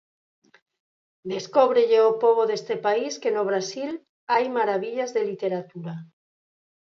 Descóbrelle ao pobo deste país que no Brasil hai marabillas de literatura.